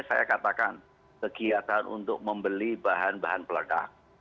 saya katakan kegiatan untuk membeli bahan bahan peledak